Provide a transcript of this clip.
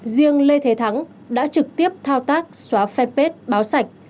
riêng lê thế thắng đã trực tiếp thao tác xóa fanpage báo sạch